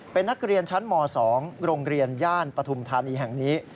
เป็นนักเรียนชั้นม๒โรงเรียนย่านปฐุมธานีแห่งนี้